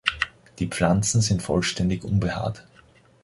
Die Pflanzen sind vollständig unbehaart.